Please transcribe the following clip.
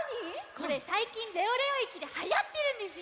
これさいきんレオレオ駅ではやってるんですよ！